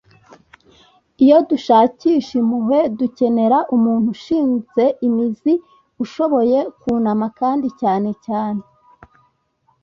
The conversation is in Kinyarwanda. iyo dushakisha impuhwe, dukenera umuntu ushinze imizi, ushoboye kunama kandi cyane cyane